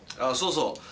あそうそう。